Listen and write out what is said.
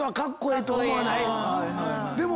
でも。